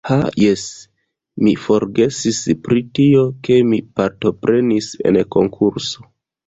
Ha jes, mi forgesis pri tio, ke mi partoprenis en konkurso